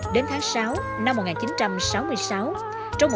đến tháng sáu năm một nghìn chín trăm sáu mươi sáu